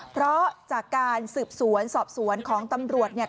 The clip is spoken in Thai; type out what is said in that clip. เพราะจากการสืบสวนสอบสวนของตำรวจเนี่ย